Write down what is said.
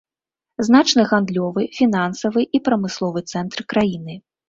Значны гандлёвы, фінансавы і прамысловы цэнтр краіны.